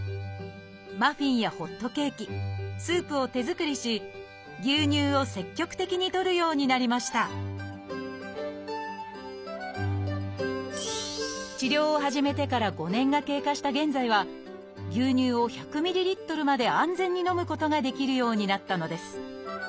マフィンやホットケーキスープを手作りし牛乳を積極的にとるようになりました治療を始めてから５年が経過した現在は牛乳を１００ｍＬまで安全に飲むことができるようになったのです。